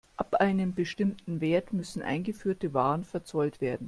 Ab einem bestimmten Wert müssen eingeführte Waren verzollt werden.